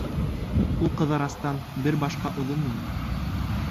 Ул Ҡыҙырастан бер башҡа оҙон ине.